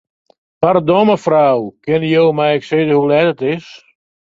Pardon, mefrou, kinne jo my ek sizze hoe let it is?